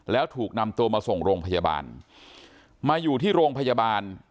แล้วถูกนำตัวมาส่งโรงพยาบาลมาอยู่ที่โรงพยาบาล